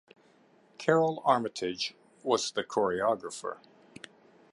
Karole Armitage was the choreographer.